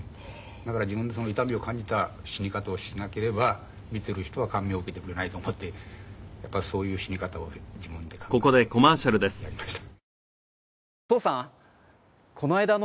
だから自分でその痛みを感じた死に方をしなければ見てる人は感銘を受けてくれないと思ってやっぱりそういう死に方を自分で考えてやりました。